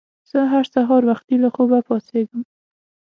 زه هر سهار وختي له خوبه پاڅیږم.